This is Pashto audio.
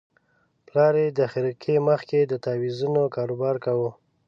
پلار یې د خرقې مخ کې د تاویزونو کاروبار کاوه.